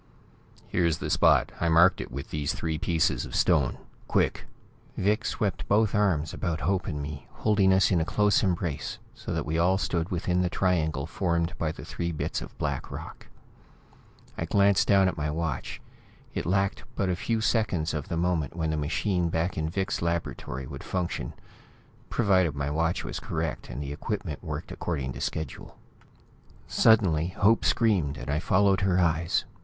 "Here's the spot! I marked it with these three pieces of stone. Quick!" Vic swept both arms about Hope and me, holding us in a close embrace, so that we all stood within the triangle formed by the three bits of black rock. I glanced down at my watch. It lacked but a few seconds of the moment when the machine back in Vic's laboratory would function provided my watch was correct, and the equipment worked according to schedule. Suddenly, Hope screamed, and I followed her eyes.